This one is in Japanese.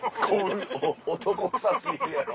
男くさ過ぎるやろ。